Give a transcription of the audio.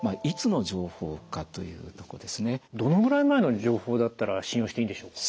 どのぐらい前の情報だったら信用していいんでしょうか？